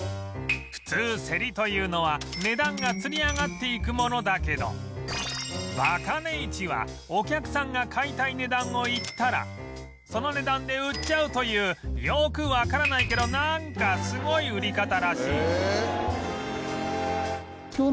普通競りというのは値段がつり上がっていくものだけどバカネ市はお客さんが買いたい値段を言ったらその値段で売っちゃうというよくわからないけどなんかすごい売り方らしい